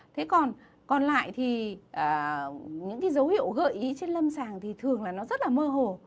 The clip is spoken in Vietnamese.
thế còn còn lại thì những cái dấu hiệu gợi ý trên lâm sàng thì thường là nó rất là mơ hồ